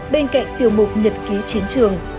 bên cạnh tiểu mục nhật ký chiến trường